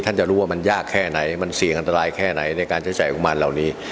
ท่านจะรู้ว่ามันยากแค่ไหนมันเสี่ยงอันตรายแค่ไหนในการใช้อุปกรณ์เหล่านี้